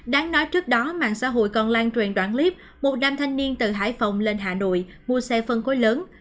đáng nói trước đó mạng xã hội còn lan truyền đoạn clip một nam thanh niên từ hải phòng lên hà nội mua xe phân khối lớn